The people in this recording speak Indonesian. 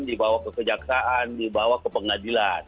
dibawa ke kejaksaan dibawa ke pengadilan